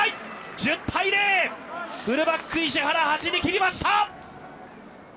１０対０、フルバック石原、走り切りました。